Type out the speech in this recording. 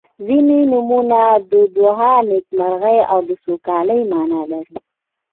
• ځینې نومونه د دعا، نیکمرغۍ او سوکالۍ معنا لري.